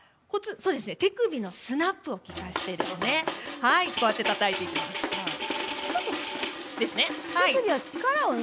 手首のスナップを利かせてたたいていきますね。